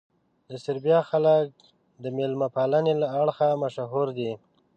د سربیا خلک د مېلمه پالنې له اړخه مشهور دي.